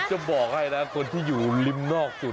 จะบอกให้นะคนที่อยู่ริมนอกสุด